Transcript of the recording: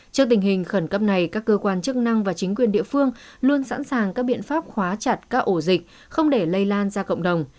trước tình hình khẩn cấp này các cơ quan chức năng và chính quyền địa phương luôn sẵn sàng các biện pháp khóa chặt các ổ dịch không để lây lan ra cộng đồng